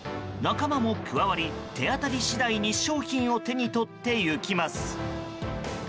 仲間も加わり、手当たり次第に商品を手に取っていきます。